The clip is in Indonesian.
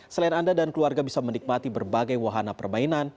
selain anda dan keluarga bisa menikmati berbagai wahana permainan